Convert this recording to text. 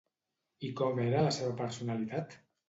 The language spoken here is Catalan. I com era la seva personalitat?